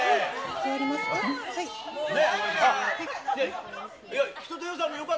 座りますか。